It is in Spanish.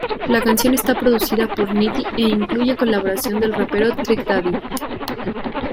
La canción está producida por Nitti e incluye la colaboración del rapero Trick Daddy.